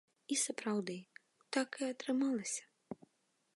І, сапраўды, так і атрымалася!!!